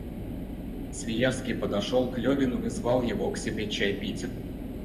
Свияжский подошел к Левину и звал его к себе чай пить.